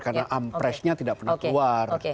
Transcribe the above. karena ampresnya tidak pernah keluar